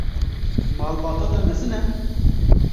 Malbata te mezin e?